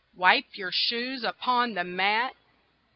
Wipe your shoes upon the mat!